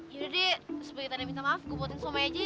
yaudah deh sebagai tanda minta maaf gue buatin somai aja